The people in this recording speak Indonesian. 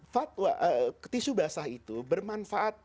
fatwa tisu basah itu bermanfaat